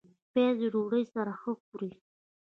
پیاز د ډوډۍ سره ښه خوري